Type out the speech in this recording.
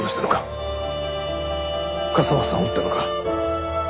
笠松さんを撃ったのか？